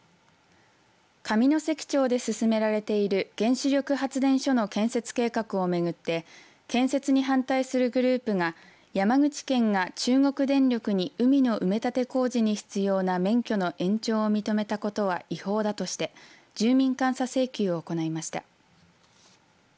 上関町で進められている原子力発電所の建設計画を巡って建設に反対するグループが山口県が中国電力に海の埋め立て工事に必要な免許の延長を認めたことは違法だとして住民監査請求を行いました。